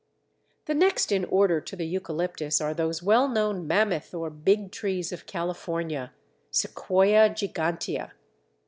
The next in order to the Eucalyptus are those well known Mammoth or Big trees of California (Sequoia gigantea).